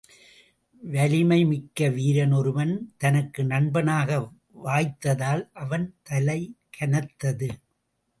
வலிமை மிக்க வீரன் ஒருவன் தனக்கு நண்பனாக வாய்த்ததால் அவன் தலை கனத்தது.